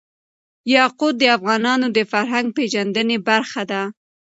یاقوت د افغانانو د فرهنګ پیژندني برخه ده.